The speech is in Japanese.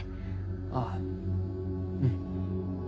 あぁうん。